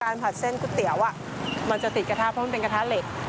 ผัดเส้นก๋วยเตี๋ยวมันจะติดกระทะเพราะมันเป็นกระทะเหล็ก